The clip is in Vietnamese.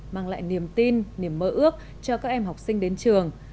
mang lại niềm tin niềm mơ ước cho các em học sinh đến trường